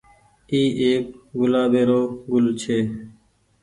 اي ايڪ گلآبي رو گل ڇي۔